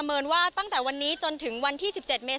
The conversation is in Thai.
จำนวนนักท่องเที่ยวที่เดินทางมาพักผ่อนเพิ่มขึ้นในปีนี้